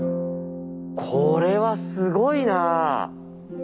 これはすごいなあ。